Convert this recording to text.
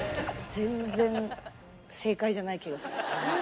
全然、正解じゃない気がする。